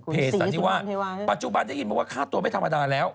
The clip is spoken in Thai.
ปัจจุบันได้ยินมาว่าค่าตัวไม่ธรรมดาแล้ว